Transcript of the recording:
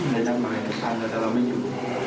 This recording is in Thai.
ในด้านบ้านก็ตัดแต่เราไม่อยู่